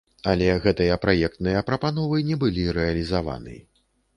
Але гэтыя праектныя прапановы не былі рэалізаваны.